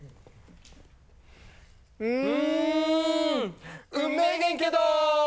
うんうんめげんけど。